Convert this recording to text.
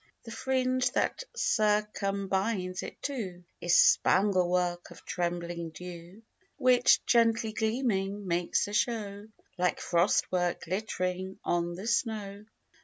The fringe that circumbinds it, too, Is spangle work of trembling dew, Which, gently gleaming, makes a show, Like frost work glitt'ring on the snow.